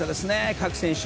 各選手。